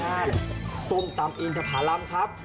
ร่านสุมตำอินทพารำครับ